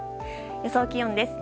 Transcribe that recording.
予想気温です。